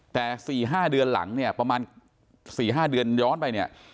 แต่๔๕เดือนหลังเนี่ยประมาณ๔๕เดือนย้อนไปเนี่ย